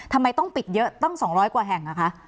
ทำไมต้องปิดเยอะตั้ง๒๐๐กว่าแห่งอะคะ